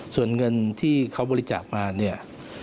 ส่วนเงินที่เขาบริจาคมาเนี่ย